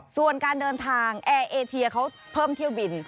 ส่วนการเดินทางแอร์เอเชียเขาเพิ่มเที่ยวบิน